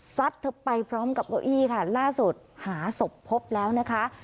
เธอไปพร้อมกับเก้าอี้ค่ะล่าสุดหาศพพบแล้วนะคะ